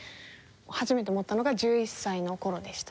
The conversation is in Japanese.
初めて持ったのが１１歳の頃でした。